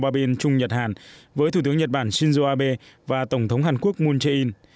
ba bên trung nhật hàn với thủ tướng nhật bản shinzo abe và tổng thống hàn quốc moon jae in